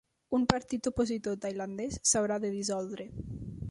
Un partit opositor tailandès s'haurà de dissoldre